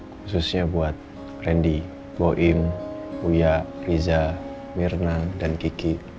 khususnya buat randy boim buya riza mirna dan kiki